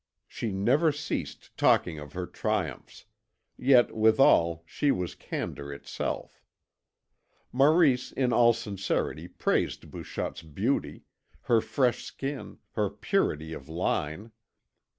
She never ceased talking of her triumphs, yet withal she was candour itself. Maurice in all sincerity praised Bouchotte's beauty, her fresh skin, her purity of line.